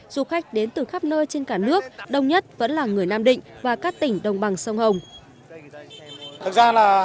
du khách đến từ khắp nơi trên cả nước đông nhất vẫn là người nam định và các tỉnh đồng bằng sông hồng